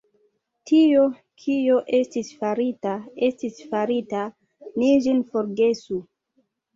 Tio, kio estis farita, estis farita; ni ĝin forgesu.